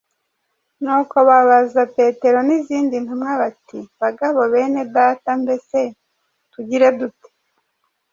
nuko babaza Petero n’izindi ntumwa bati “ Bagabo bene Data, mbese tugire dute? ”